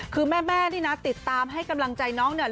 คือแม่นี่นะติดตามให้กำลังใจน้องเนี่ย